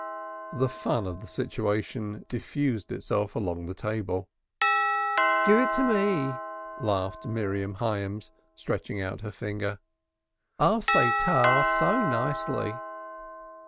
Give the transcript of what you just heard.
The fun of the situation diffused itself along the table. "Give it me," laughed Miriam Hyams, stretching out her finger. "I'll say 'ta' so nicely."